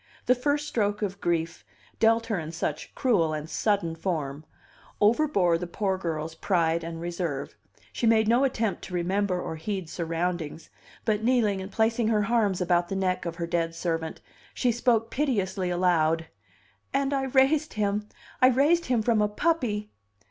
The first stroke of grief, dealt her in such cruel and sudden form, overbore the poor girl's pride and reserve; she made no attempt to remember or heed surroundings, but kneeling and placing her arms about the neck of her dead servant, she spoke piteously aloud: "And I raised him, I raised him from a puppy!"